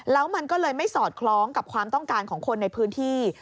แล้วมันก็เลยไม่สอดคล้องกับความต้องการของคนในพื้นที่